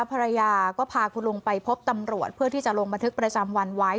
ภรรยาก็พาคุณลุงไปพบตำรวจเพื่อที่จะลงบันทึกประจำวันไว้